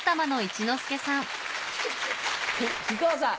木久扇さん。